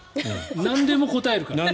なんでも答えるから。